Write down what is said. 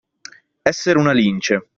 Essere una lince.